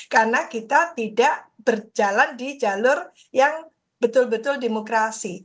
karena kita tidak berjalan di jalur yang betul betul demokrasi